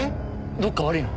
どっか悪いの？